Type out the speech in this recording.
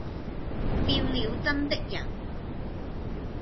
變了眞的人。